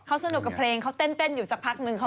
เขาสนุกกับเพลงเขาเต้นอยู่สักพักนึง